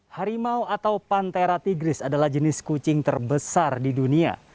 harimau atau pantera tigris adalah jenis kucing terbesar di dunia